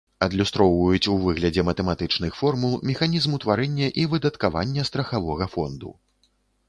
Адлюстроўваюць у выглядзе матэматычных формул механізм утварэння і выдаткавання страхавога фонду.